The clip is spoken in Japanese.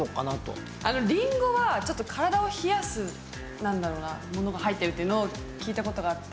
りんごはちょっと体を冷やすなんだろうなものが入ってるっていうのを聞いた事があって。